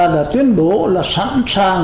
đã tuyên bố sẵn sàng